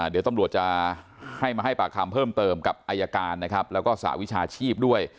เดี๋ยวตำรวจจะให้มาให้ปากคำเพิ่มเติมกับอายการนะครับแล้วก็สหวิชาชีพด้วย